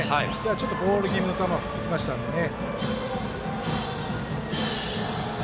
ちょっとボール気味の球を振ってきましたのでね。